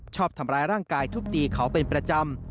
ชอบทำร้ายร่างกายทุบตีเขาเป็นประจำ